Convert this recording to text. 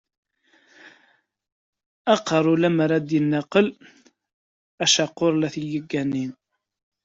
Aqerru limer ad d-inaqel, acaqur la t-yettgani.